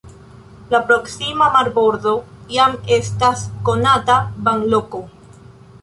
La proksima marbordo jam estas konata banloko.